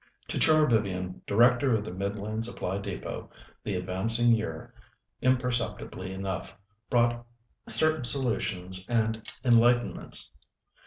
To Char Vivian, Director of the Midland Supply Depôt, the advancing year, imperceptibly enough, brought certain solutions and enlightenments.